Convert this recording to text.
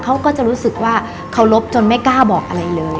เขาก็จะรู้สึกว่าเคารพจนไม่กล้าบอกอะไรเลย